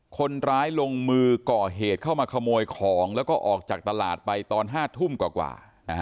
คนร้ายลงมือก่อเหตุเข้ามาขโมยของแล้วก็ออกจากตลาดไปตอน๕ทุ่มกว่า